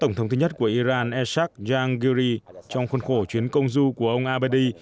tổng thống thứ nhất của iran eshaq jangiri trong khuôn khổ chuyến công du của ông abadi